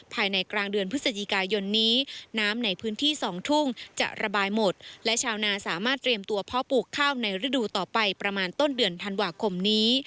ภายในกลางเดือนพฤศจิกายนนี้น้ำในพื้นที่สองทุ่งจะระบายหมดและชาวนาสามารถเตรียมตัวเพาะปลูกข้าวในฤดูต่อไปประมาณต้นเดือนธันวาคมนี้